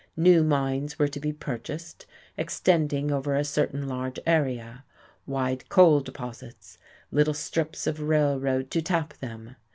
New mines were to be purchased, extending over a certain large area; wide coal deposits; little strips of railroad to tap them.